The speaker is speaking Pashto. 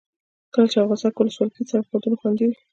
کله چې افغانستان کې ولسواکي وي سرحدونه خوندي وي.